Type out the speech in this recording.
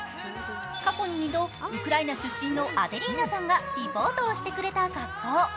過去に２度、ウクライナ出身のアデリーナさんがリポートをしてくれた学校。